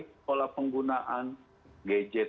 pola penggunaan gadget